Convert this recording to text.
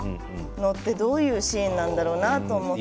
どういうシーンなんだろうなって思って。